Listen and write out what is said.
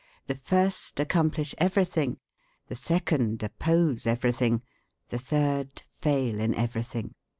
The first accomplish everything; the second oppose everything; the third fail in everything."